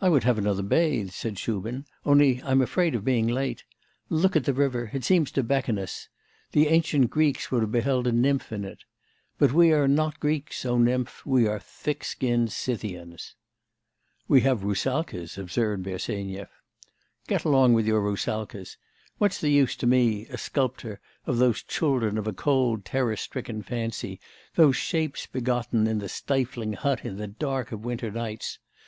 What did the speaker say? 'I would have another bathe,' said Shubin, 'only I'm afraid of being late. Look at the river; it seems to beckon us. The ancient Greeks would have beheld a nymph in it. But we are not Greeks, O nymph! we are thick skinned Scythians.' 'We have roussalkas,' observed Bersenyev. 'Get along with your roussalkas! What's the use to me a sculptor of those children of a cold, terror stricken fancy, those shapes begotten in the stifling hut, in the dark of winter nights?